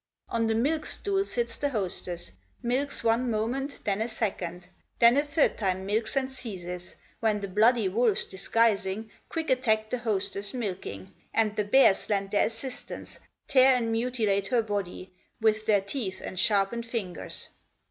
On the milk stool sits the hostess, Milks one moment, then a second, Then a third time milks and ceases; When the bloody wolves disguising, Quick attack the hostess milking, And the bears lend their assistance, Tear and mutilate her body With their teeth and sharpened fingers.